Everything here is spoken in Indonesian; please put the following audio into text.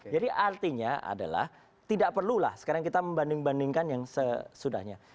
jadi artinya adalah tidak perlulah sekarang kita membanding bandingkan yang sesudahnya